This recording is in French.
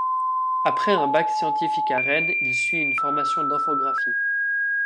Après un bac scientifique à Rennes, il suit une formation d’infographie.